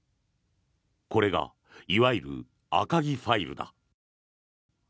これがいわゆる赤木ファイルだ。